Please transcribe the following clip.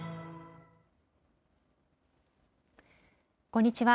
こんにちは。